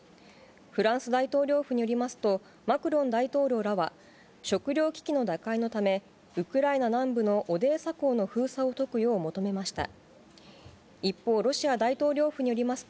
フランス大統領府によりますと、マクロン大統領らは、食料危機の打開のため、ウクライナ南部のオデーサ港の封鎖を解くよう求めました。